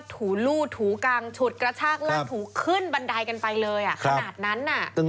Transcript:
ถูรู้ถูกลางฉุดกระชากลอนถูขึ้นบันไดกันไปเลย